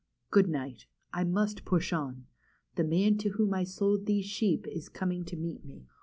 Good night. I must push on. The man to whom I sold these sheep is coming to meet me.